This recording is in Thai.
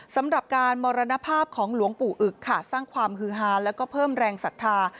สำหรับการมรณภาพของหลวงปู่อึกค่ะสร้างความฮือฮาแล้วก็เพิ่มแรงศรัทธา